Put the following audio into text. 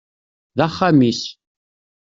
D axxam-is.